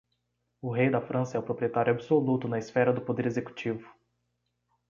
O rei da França é o proprietário absoluto na esfera do poder executivo.